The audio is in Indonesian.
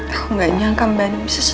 aku gak nyangka ben bisa setiga ini sama aku